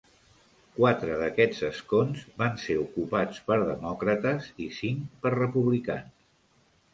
Quatre d'aquests escons van ser ocupats per demòcrates i cinc, per republicans.